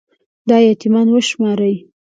دا يـتـيـمـان وشمارئ